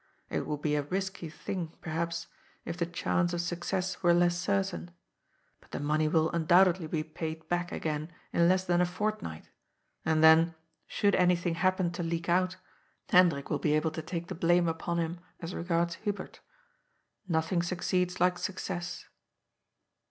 " It would be a risky thing, perhaps, if the chance of success were less 824 GOD'S POOL. certain. But the money will undoubtedly, be paid back again in less than a fortnight, and then, should anything happen to leak out, Hendrik will be able to take the blame upon him as regards Hubert. Nothing succeeds like suc cess."